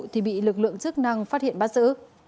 thì bị lực lượng chức năng phát hiện bắt giữ